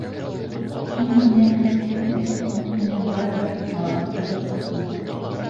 — Һин минән китһәң дә, мин һинән барыбер бала табасаҡмын.